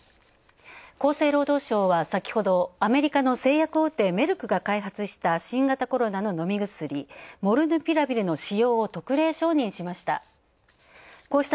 厚生労働省は先ほど、アメリカの製薬大手メルクが開発した新型コロナの飲み薬モルヌピラビルの使用を特例承認しました。